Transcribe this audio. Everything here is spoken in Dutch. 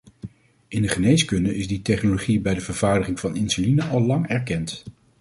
In de geneeskunde is die technologie bij de vervaardiging van insuline al lang erkend.